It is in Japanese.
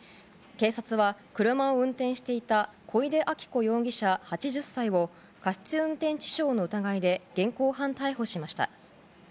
警察は、車を運転していた小出あき子容疑者、８０歳を過失運転致傷の疑いで現行犯逮捕しました。